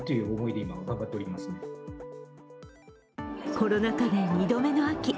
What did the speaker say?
コロナ禍で２度目の秋。